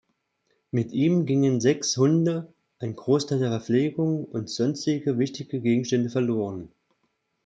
Mit ihm gingen sechs Hunde, ein Großteil der Verpflegung und sonstige wichtige Gegenstände verloren.